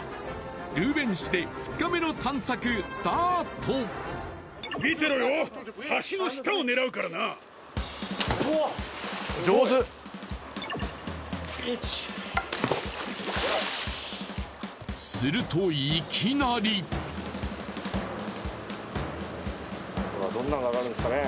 ルーヴェン市で２日目の探索スタートおわっすごい１するといきなりどんなのがあがるんすかね？